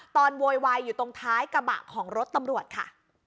โวยวายอยู่ตรงท้ายกระบะของรถตำรวจค่ะ